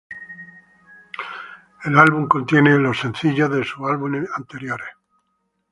El álbum contiene los sencillos de sus álbumes anteriores.